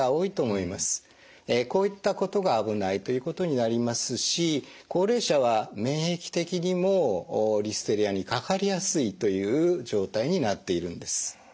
こういったことが危ないということになりますし高齢者は免疫的にもリステリアにかかりやすいという状態になっているんです。